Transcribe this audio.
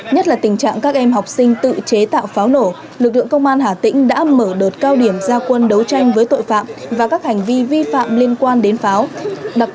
nhất là tình trạng các em học sinh tự chế tạo pháo nổ lực lượng công an hà tĩnh đã mở đợt cao điểm gia quân đấu tranh với tội phạm và các hành vi vi phạm liên quan đến pháo